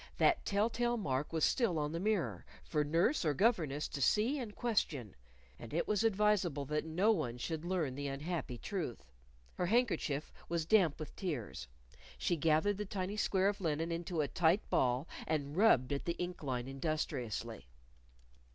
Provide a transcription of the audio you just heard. That tell tale mark was still on the mirror, for nurse or governess to see and question. And it was advisable that no one should learn the unhappy truth. Her handkerchief was damp with tears. She gathered the tiny square of linen into a tight ball and rubbed at the ink line industriously.